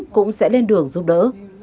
cũng sẽ lên đường giúp đỡ